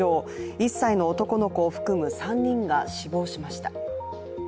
１歳の男の子を含む３人が死亡しました。